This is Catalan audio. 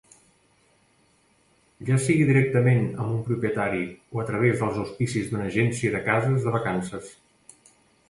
Ja sigui directament amb un propietari, o a través dels auspicis d'una agència de cases de vacances.